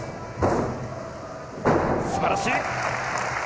すばらしい！